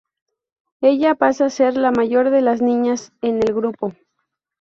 Ella pasa a ser la mayor de las niñas en el grupo.